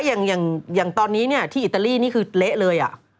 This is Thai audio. อย่างตอนนี้ที่อิตาลีนี่คือเละเลย